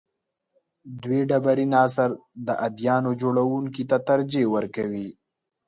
دوی ډبرین عصر د اديانو جوړونکو ته ترجیح ورکوي.